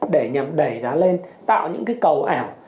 để nhằm đẩy giá lên tạo những cái cầu ảo